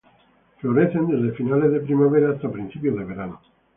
Florecen desde finales de primavera hasta principios de verano.